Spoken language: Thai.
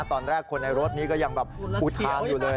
ตอนแรกคนในรถนี้ก็ยังแบบอุทานอยู่เลย